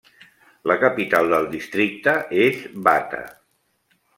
La capital del districte és Bata.